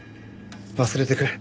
忘れてくれ。